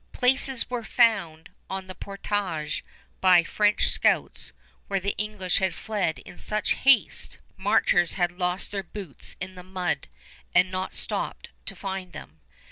Places were found on the portage by French scouts where the English had fled in such haste, marchers had lost their boots in the mud and not stopped to find them.